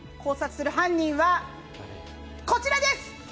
私が考察する犯人がこちらです。